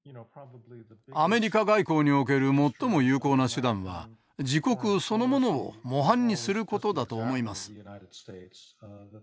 アメリカ外交における最も有効な手段は自国そのものを模範にすることだと思います。